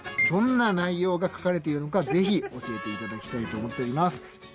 どんな内容が書かれているのかぜひ教えて頂きたいと思っております。